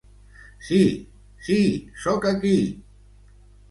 Sí, sí, sóc aquí.